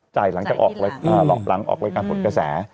จ่ายหลังจะหลอกหลังออกรายการผลกระแส